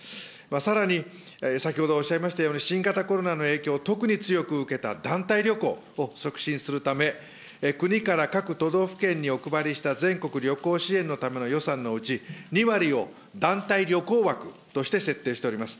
さらに、先ほどおっしゃいましたように、新型コロナの影響を特に強く受けた団体旅行を促進するため、国から各都道府県にお配りした全国旅行支援のための予算のうち、２割を団体旅行枠として設定しております。